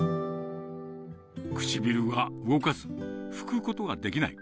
唇が動かず、吹くことができない。